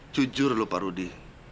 jujur lho pak rudy